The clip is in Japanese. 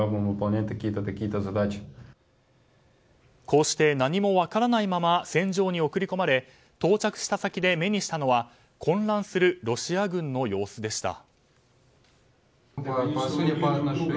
こうして何も分からないまま戦場に送り込まれ到着した先で目にしたのは混乱するロシア軍の様子でした。